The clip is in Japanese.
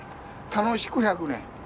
楽しく１００年。